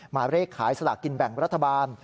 มาเรียกขายสลากกินแบ่งรัฐบาล